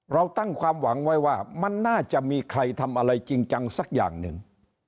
เราตั้งความหวังไว้ว่ามันน่าจะมีใครทำอะไรจริงจังสักอย่างหนึ่ง